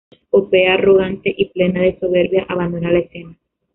Popea, arrogante y plena de soberbia abandona la escena.